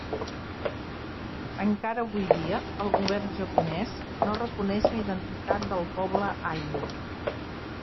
Encara avui dia, el Govern japonès no reconeix la identitat del poble ainu.